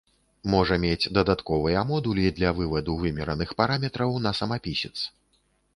Можа мець дадатковыя модулі для вываду вымераных параметраў на самапісец.